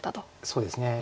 そうですね。